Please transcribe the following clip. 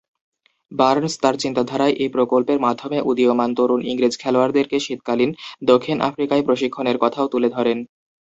Burns তার চিন্তাধারায় এ প্রকল্পের মাধ্যমে উদীয়মান তরুণ ইংরেজ খেলোয়াড়দেরকে শীতকালীন দক্ষিণ আফ্রিকায় প্রশিক্ষণের কথাও তুলে ধরেন।